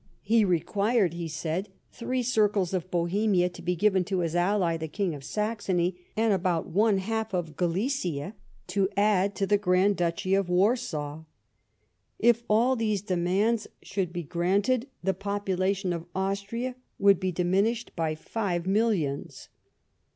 lie required, he said, three circles of Bohemia to be given to his ally, the King of Saxony, and about one half of Galicia, to add to the Grand Duchy of Warsaw. If all these demands should be granted the population of Austria would be diminished by five millions.